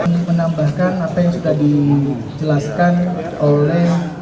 ingin menambahkan apa yang sudah dijelaskan oleh